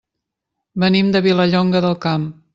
Venim de Vilallonga del Camp.